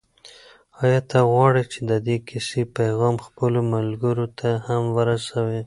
آیا ته غواړې چې د دې کیسې پیغام خپلو ملګرو ته هم ورسوې؟